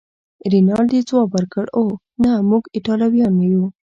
رینالډي ځواب ورکړ: اوه، نه، موږ ایټالویان نه یو.